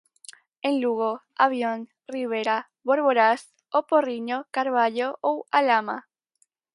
En Lugo, Avión, Ribeira, Boborás, O Porriño, Carballo ou A Lama.